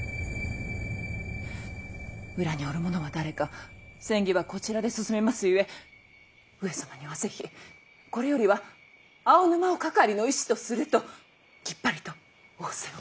裏におる者は誰か詮議はこちらで進めますゆえ上様にはぜひこれよりは青沼をかかりの医師とするときっぱりと仰せを。